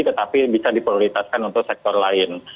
tetapi bisa diprioritaskan untuk sektor lain